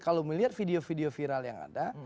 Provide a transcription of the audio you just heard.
kalau melihat video video viral yang ada